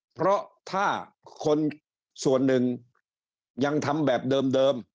เพราะถ้าคนส่วนหนึ่งยังทำแบบเดิม